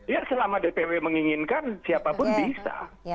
ya selama dpw menginginkan siapapun bisa